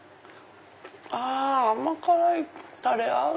あ甘辛いタレ合う！